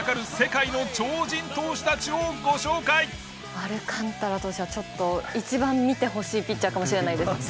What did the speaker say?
アルカンタラ投手はちょっと一番見てほしいピッチャーかもしれないです。